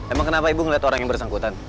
emang kenapa ibu melihat orang yang bersangkutan